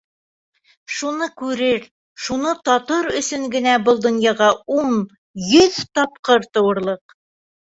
Шуны күрер, шуны татыр өсөн генә был донъяға ун, йөҙ тапҡыр тыуырлыҡ.